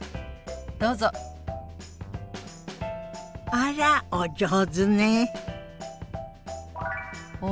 あらお上手ね。